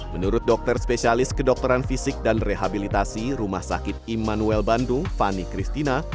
menurut dokter spesialis kedokteran fisik dan rehabilitasi rumah sakit immanuel bandung fani christina